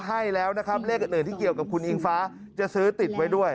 ให้แล้วนะครับเลขอื่นที่เกี่ยวกับคุณอิงฟ้าจะซื้อติดไว้ด้วย